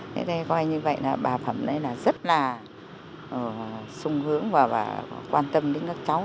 thế đây coi như vậy là bà phẩm đây là rất là sung hướng và quan tâm đến các cháu